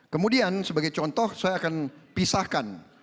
kemudian sebagai contoh saya akan pisahkan